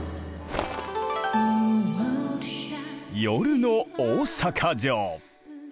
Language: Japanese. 夜の大坂城！